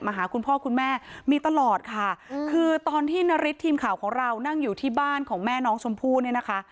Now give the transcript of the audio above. หาคุณพ่อคุณแม่มีตลอดค่ะคือตอนที่นาริสทีมข่าวของเรานั่งอยู่ที่บ้านของแม่น้องชมพู่เนี่ยนะคะ